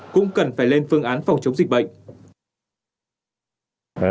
cũng cần phải lên phương án phòng chống dịch bệnh